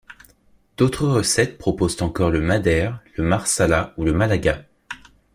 D'autres recettes proposent encore le madère, le marsala ou le malaga.